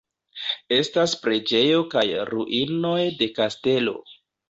Estas preĝejo kaj ruinoj de kastelo.